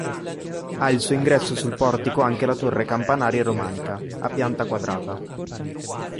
Ha il suo ingresso sul portico anche la torre campanaria romanica, a pianta quadrata.